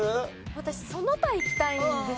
私その他いきたいんですよね。